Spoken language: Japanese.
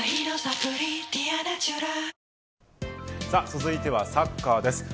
続いてはサッカーです。